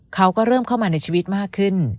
เขาก็เริ่มเข้ามาในชีวิตมากขึ้น